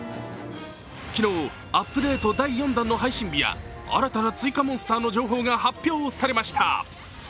昨日、アップデート第４弾の配信日や新たな追加モンスターの情報が発表されました。